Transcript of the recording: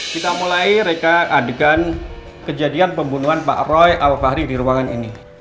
kita mulai reka adegan kejadian pembunuhan pak roy al fahri di ruangan ini